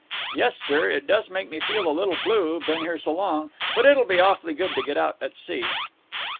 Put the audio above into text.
"Yes, sir, it does make me feel a little blue—been here so long. But it'll be awful good to get out at sea."